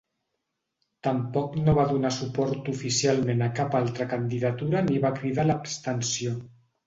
Tampoc no va donar suport oficialment a cap altra candidatura ni va cridar a l'abstenció.